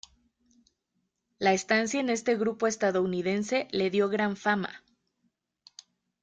La estancia en este grupo estadounidense le dio gran fama.